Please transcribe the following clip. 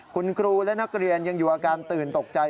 คุณครูและนักเรียนยังอยู่อาการตื่นตกใจ